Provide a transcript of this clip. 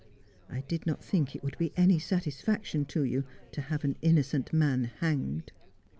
I did not think it would be any satisfac tion to you to have an innocent man hanged.'